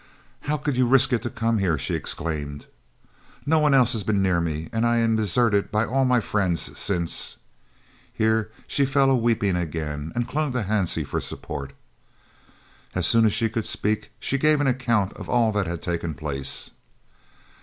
"How could you risk it to come here?" she exclaimed. "No one else has been near me, and I am deserted by all my friends since " here she fell a weeping again, and clung to Hansie for support. As soon as she could speak, she gave an account of all that had taken place.